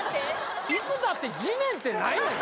「いつだって地面」って何やねん！